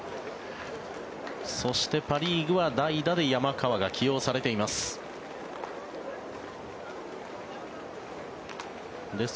そして、パ・リーグは代打で山川が起用されています。